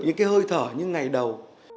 những hơi thở như ngày đầu